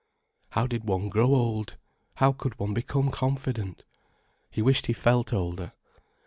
How did one grow old—how could one become confident? He wished he felt older.